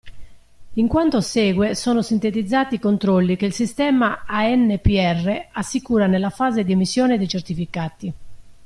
In quanto segue sono sintetizzati i controlli che il sistema ANPR assicura nella fase di emissione dei certificati.